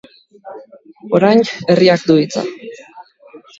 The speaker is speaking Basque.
Orain herriak du hitza.